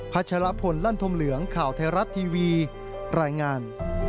ัชรพลลั่นธมเหลืองข่าวไทยรัฐทีวีรายงาน